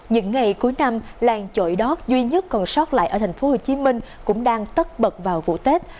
những ngày cuối năm làng chổi đót duy nhất còn sót lại ở tp hcm cũng đang tất bật vào vụ tết